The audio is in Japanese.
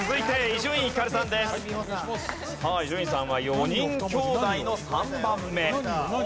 伊集院さんは４人きょうだいの３番目。